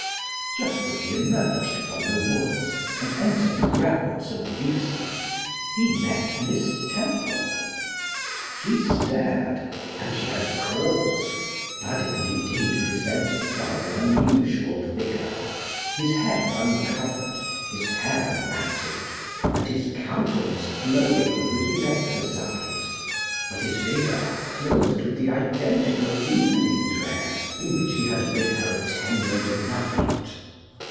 Just as he emerged from the woods, and entered the grounds of Ducie, he met Miss Temple. She stared, and she had cause. Ferdinand indeed presented rather an unusual figure; his head uncovered, his hair matted, and his countenance glowing with his exercise, but his figure clothed with the identical evening dress in which he had bid her a tender good night.